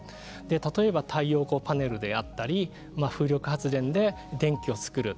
例えば太陽光パネルであったり風力発電で電気を作る。